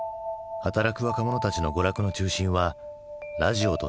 働く若者たちの娯楽の中心はラジオとテレビだった。